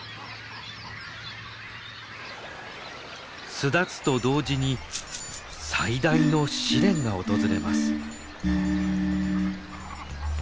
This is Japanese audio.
巣立つと同時に最大の試練が訪れます。